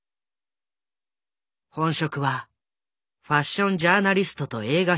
本職はファッションジャーナリストと映画評論家。